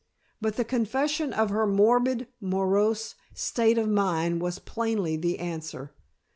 But the confession of her morbid, morose state of mind was plainly the answer.